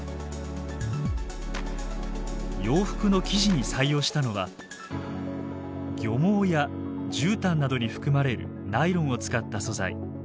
洋服の生地に採用したのは漁網や絨毯などに含まれるナイロンを使った素材。